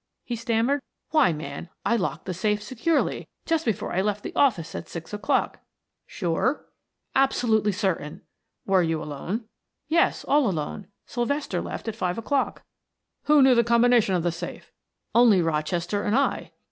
he stammered. "Why, man, I locked that safe securely just before I left the office at six o'clock." "Sure?" "Absolutely certain." "Were you alone?" "Yes, all alone. Sylvester left at five o'clock" "Who knew the combination of the safe?" "Only Rochester and I."